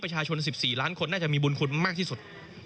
๑๔ล้านคนน่าจะมีบุญคุณมากที่สุด